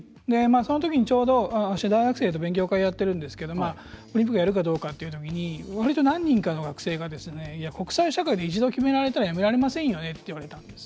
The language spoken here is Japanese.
そのとき、ちょうど私は大学生と勉強会をやってるんですけどオリンピックやるかどうかというときに割と何人かの学生が国際社会で一度決められたらやめられませんよねって言われたんです。